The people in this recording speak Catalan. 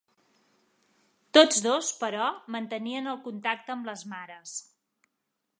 Tots dos, però, mantenien el contacte amb les mares.